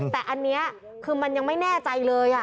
แต่อันนี้คือมันยังไม่แน่ใจเลย